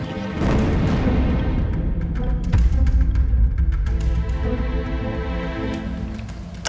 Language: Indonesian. tapi dia akan ingin